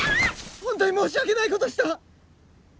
ほんとに申し訳ないことした！